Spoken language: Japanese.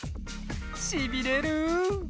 しびれる！